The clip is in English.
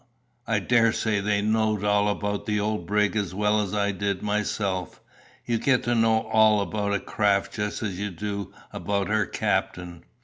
"I daresay they knowed all about the old brig as well as I did myself. You gets to know all about a craft just as you do about her captain.